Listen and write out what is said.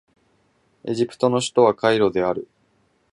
エジプトの首都はカイロである